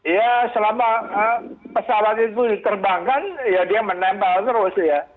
ya selama pesawat itu diterbangkan ya dia menembak terus ya